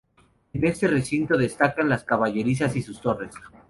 En este recinto destacan las caballerizas y sus torres.